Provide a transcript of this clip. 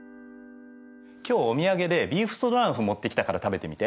今日お土産でビーフストロガノフ持ってきたから食べてみて。